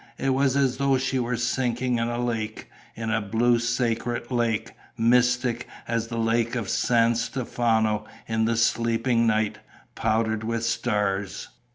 It was as though she were sinking in a lake, in a blue sacred lake, mystic as the Lake of San Stefano in the sleeping night, powdered with stars.